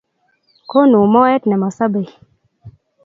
Konu moet ne mosobei